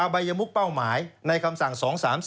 อมเอิมเบาหมายในคำสั่ง๒๓๔๒๕๕๘